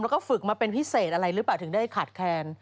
แล้วก็ฝึกมาเป็นพิเศษอะไรหรือเปล่าถึงได้ขาดแคลน